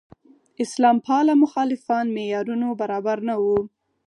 اسلام پاله مخالفان معیارونو برابر نه وو.